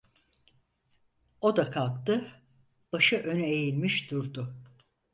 O da kalktı, başı öne eğilmiş durdu.